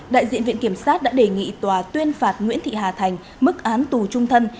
đại diện viện kiểm sát đã đề nghị tòa tuyên phạt nguyễn thị hà thành mức án tù trung thân